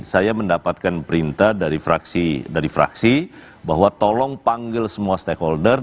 saya mendapatkan perintah dari fraksi bahwa tolong panggil semua stakeholder